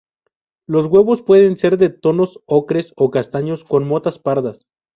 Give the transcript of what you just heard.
Los huevos pueden ser de tonos ocres a castaños con motas pardas.